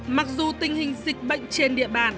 mặc dù tình hình dịch bệnh trên địa bàn